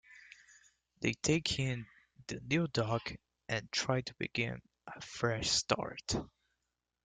They take in the new dog and try to begin a fresh start.